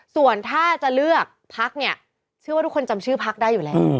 ส่วนถ้าจะเลือกพักเนี่ยเชื่อว่าทุกคนจำชื่อพักได้อยู่แล้ว